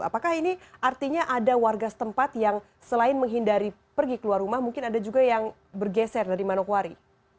apakah ini artinya ada warga setempat yang selain menghindari pergi keluar rumah mungkin ada juga yang bergeser dari manokwari